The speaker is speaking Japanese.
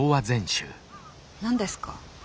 何ですか？